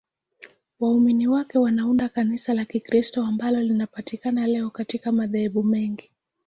Waumini wake wanaunda Kanisa la Kikristo ambalo linapatikana leo katika madhehebu mengi.